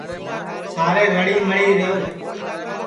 سارے رݪی مِݪی ریہو